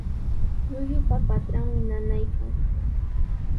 Llullupa patranmi nanaykan.